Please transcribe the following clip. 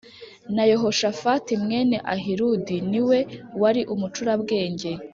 na Yehoshafati mwene Ahiludi ni we wari umucurabwenge.